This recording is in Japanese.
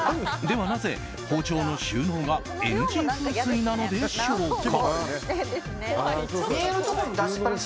では、なぜ包丁の収納がＮＧ風水なのでしょうか？